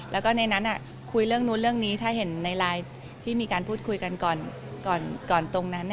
แล้วก็ในนั้นคุยเรื่องนู้นเรื่องนี้ถ้าเห็นในไลน์ที่มีการพูดคุยกันก่อนตรงนั้น